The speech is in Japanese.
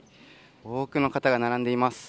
多くの方が並んでいます。